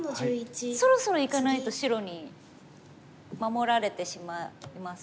そろそろいかないと白に守られてしまいますよね。